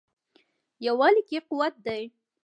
یووالي کې قوت دی.